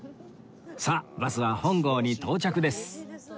さあバスは本郷に到着です